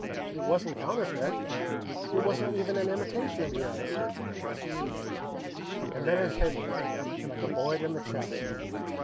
It wasn't counterfeit it wasn't even an imitation of a United States bill. And then it hit me, like a bullet in the chest.